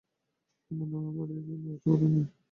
আমার না বাড়ির অবস্থা ভালো নেই।